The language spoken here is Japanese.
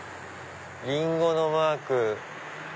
リンゴのマーク。